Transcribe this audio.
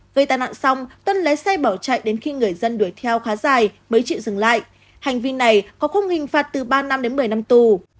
gây tai nạn xong tuân lấy xe bỏ chạy đến khi người dân đuổi theo khá dài mới chịu dừng lại hành vi này có khung hình phạt từ ba năm đến một mươi năm tù